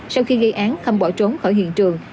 sau khi gây án khâm bỏ trốn khỏi hiện trường